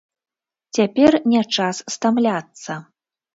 Цяпер не час стамляцца.